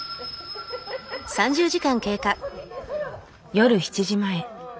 夜７時前。